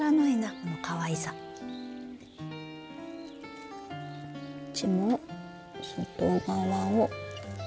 こっちも外側を。